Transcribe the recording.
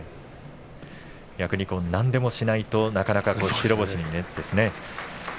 逆に、何でもしないとなかなか白星に。